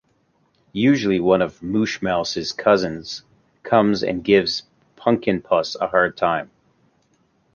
Usually one of Mushmouse's cousins comes and gives Punkin' Puss a hard time.